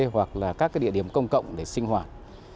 hoặc là các địa điểm công cộng để sinh hoạt